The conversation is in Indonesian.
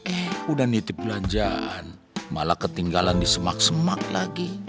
eh udah nitip belanjaan malah ketinggalan di semak semak lagi